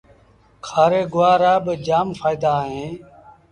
کآري گُوآر رآ با جآم ڦآئيٚدآ اوهيݩ۔